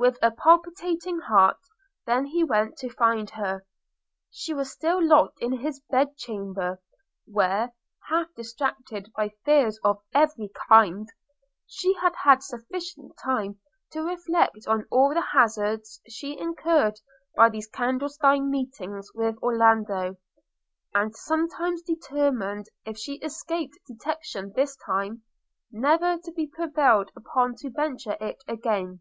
With a palpitating heart then he went to find her. She was still locked in his bed chamber, where, half distracted by fears of every kind, she had had sufficient time to reflect on all the hazards she incurred by these clandestine meetings with Orlando; and sometimes determined, if she escaped detection this time, never to be prevailed upon to venture it again.